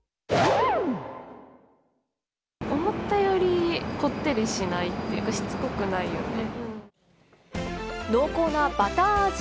思ったよりこってりしないというか、しつこくないよね。